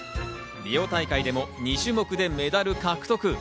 リオ大会でも２種目でメダル獲得。